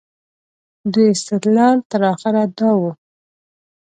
دوی استدلال تر اخره دا و.